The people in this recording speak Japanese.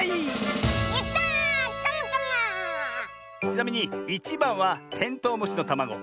ちなみに１ばんはテントウムシのたまご。